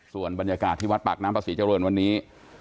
ส่วนบรรยากาศที่วัดปากน้ำประศรีเจริญวันนี้